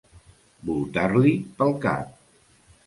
Voltar-l'hi pel cap.